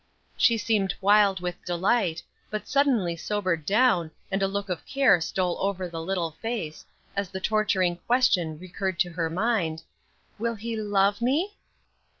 She seemed wild with delight; but suddenly sobered down, and a look of care stole over the little face, as the torturing question recurred to her mind, "_Will he love me?